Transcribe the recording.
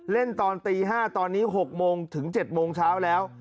ตอนตี๕ตอนนี้๖โมงถึง๗โมงเช้าแล้ว